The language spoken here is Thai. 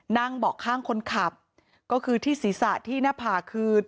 เบาะข้างคนขับก็คือที่ศีรษะที่หน้าผากคือ